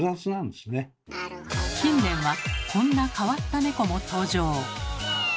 近年はこんな変わった猫も登場。